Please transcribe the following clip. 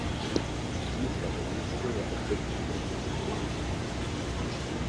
Jízda ve městě je obvykle stresující.